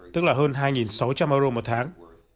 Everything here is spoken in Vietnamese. tức là hơn hai sáu trăm linh euro một tháng